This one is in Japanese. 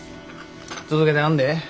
続けてはんで。